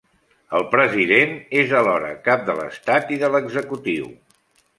El president és alhora cap de l'Estat i de l'executiu.